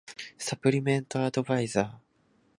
サプリメントアドバイザー